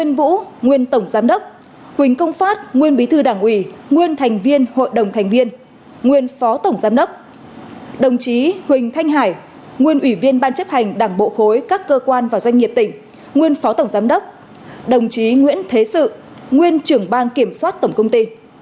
nguyễn công phát nguyên bí thư đảng ủy nguyên thành viên hội đồng thành viên nguyên phó tổng giám đốc đồng chí huỳnh thanh hải nguyên ủy viên ban chấp hành đảng bộ khối các cơ quan và doanh nghiệp tỉnh nguyên phó tổng giám đốc đồng chí nguyễn thế sự nguyên trưởng ban kiểm soát tổng công ty